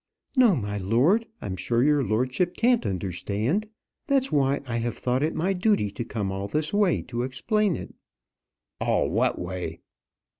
"No, my lord; I'm sure your lordship can't understand. That's why I have thought it my duty to come all this way to explain it." "All what way?"